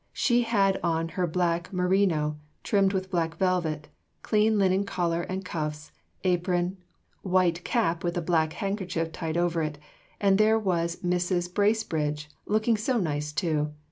She had on her black merino, trimmed with black velvet, clean linen collar and cuffs, apron, white cap with a black handkerchief tied over it; and there was Mrs. Bracebridge, looking so nice too.